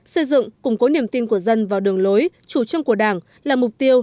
xây dựng củng cố niềm tin của dân vào đường lối chủ trương của đảng là mục tiêu